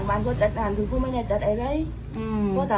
เพราะคือคันนมะ